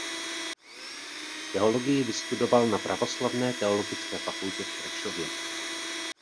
Teologii vystudoval na Pravoslavné teologické fakultě v Prešově.